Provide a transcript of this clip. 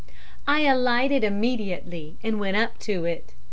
I alighted immediately, and went up to it.